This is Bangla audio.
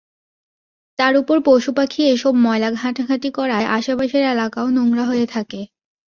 তার ওপর পশুপাখি এসব ময়লা ঘাঁটাঘাঁটি করায় আশপাশের এলাকাও নোংরা হয়ে থাকে।